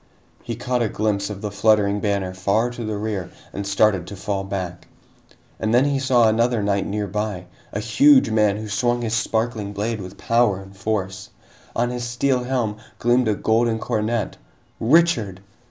He caught a glimpse of the fluttering banner far to the rear and started to fall back. And then he saw another knight nearby, a huge man who swung his sparkling blade with power and force. On his steel helm gleamed a golden coronet! Richard!